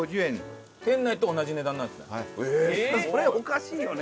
それおかしいよね？